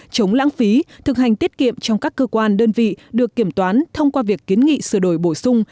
chống lãng phí thực hành tiết kiệm trong các cơ quan đơn vị được kiểm toán thông qua việc kiến nghị sửa đổi bổ sung